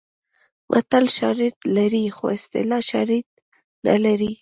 متل شالید لري خو اصطلاح شالید نه لري